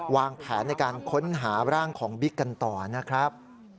วางแผนในการค้นหาร่างของบิ๊กกันต่อนะครับ